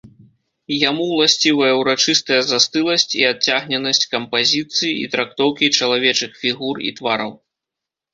Яму ўласцівая ўрачыстая застыласць і адцягненасць кампазіцыі і трактоўкі чалавечых фігур і твараў.